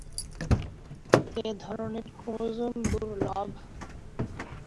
এ ধরনের ক্রোমোজোম দুর্লভ।